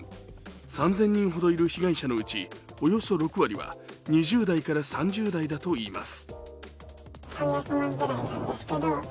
３０００人ほどいる被害者のうちおよそ６割は２０代から３０代だといいます。